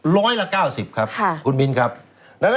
ร้อยละ๙๐ครับคุณมิ้นครับนะครับค่ะ